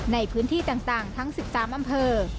ในพื้นที่ต่างทั้ง๑๓อำเภอ